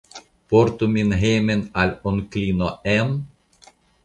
Portu min hejmen al Onklino Em?